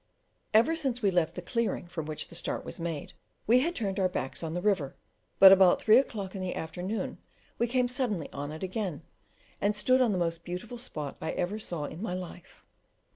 Ever since we left the clearing from which the start was made, we had turned our backs on the river, but about three o'clock in the afternoon we came suddenly on it again, and stood on the most beautiful spot I ever saw in my life.